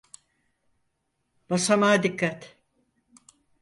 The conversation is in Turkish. Basamağa dikkat.